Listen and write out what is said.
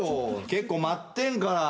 結構待ってんから。